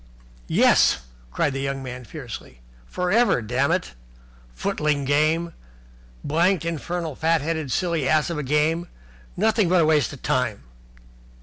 "Yes!" cried the young man fiercely. "For ever, dammit! Footling game! Blanked infernal fat headed silly ass of a game! Nothing but a waste of time."